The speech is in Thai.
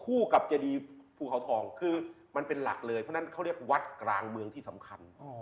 กับเจดีภูเขาทองคือมันเป็นหลักเลยเพราะฉะนั้นเขาเรียกวัดกลางเมืองที่สำคัญ